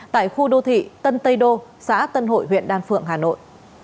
tại khu đô thị tân tây đô xã tân hội huyện đan phượng hà nội